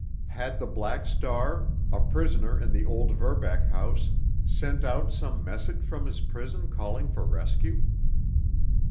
Had the Black Star, a prisoner in the old Verbeck house, sent out some message from his prison calling for rescue?